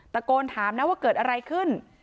ตะโกนถามนะว่าเกิดอะไรขึ้น